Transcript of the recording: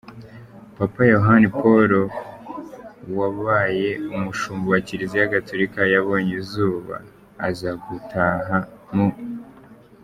Papa Yohani Paul wa wabaye umushumba wa Kiliziya Gatolika yabonye izuba, aza gutaha mu .